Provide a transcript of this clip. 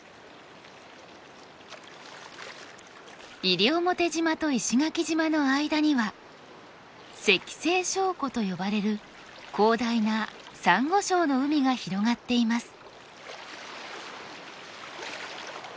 西表島と石垣島の間には石西礁湖と呼ばれる広大なサンゴ礁の海が広がっています。